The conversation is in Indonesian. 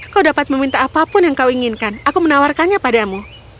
kau dapat meminta apapun yang kau inginkan aku menawarkannya padamu